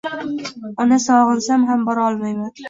Ona, sog’insam ham bora olmayman